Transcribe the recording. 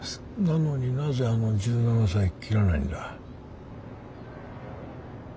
なのになぜあの１７才切らないんだ？